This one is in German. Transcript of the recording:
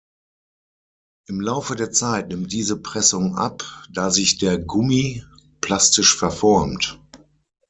Im Laufe der Zeit nimmt diese Pressung ab, da sich der Gummi plastisch verformt.